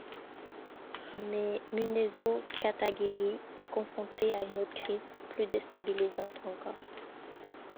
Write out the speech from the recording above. Mais Munezō Katagiri est confronté à une autre crise plus déstabilisante encore.